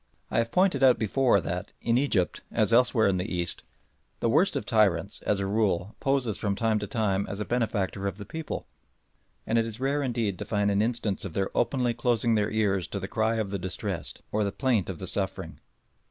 I have pointed out before that, in Egypt as elsewhere in the East, the worst of tyrants, as a rule, poses from time to time as a benefactor of the people, and it is rare indeed to find an instance of their openly closing their ears to the cry of the distressed or the plaint of the suffering.